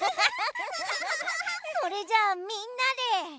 それじゃあみんなで。